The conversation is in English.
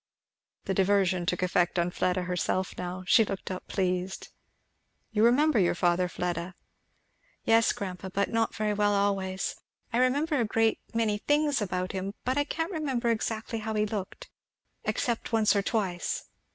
The diversion took effect on Fleda herself now. She looked up pleased. "You remember your father, Fleda?" "Yes grandpa, but not very well always; I remember a great many things about him, but I can't remember exactly how he looked, except once or twice."